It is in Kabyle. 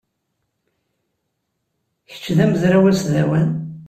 Kečč d amezraw asdawan?